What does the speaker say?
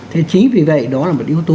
thế chính vì vậy đó là một yếu tố